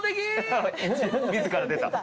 自ら出た。